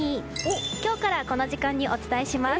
今日からこの時間にお伝えします。